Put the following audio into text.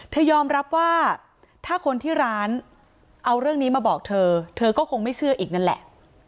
ยอมรับว่าถ้าคนที่ร้านเอาเรื่องนี้มาบอกเธอเธอก็คงไม่เชื่ออีกนั่นแหละ